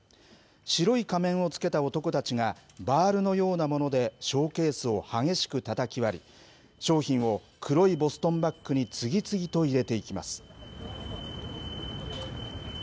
白い仮面をつけた男たちがバールのようなものでショーケースを激しくたたき割り、商品を黒いボストンバッグに次々と入れていきます。